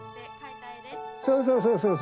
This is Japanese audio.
そうそうそうそう。